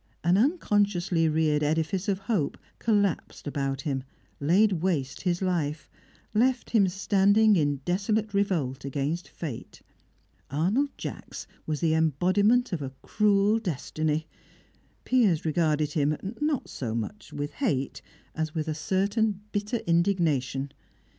An unconsciously reared edifice of hope collapsed about him, laid waste his life, left him standing in desolate revolt against fate. Arnold Jacks was the embodiment of a cruel destiny; Piers regarded him, not so much with hate, as with a certain bitter indignation.